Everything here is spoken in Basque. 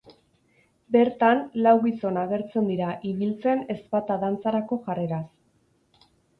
Bertan, lau gizon agertzen dira ibiltzen ezpata dantzarako jarreraz.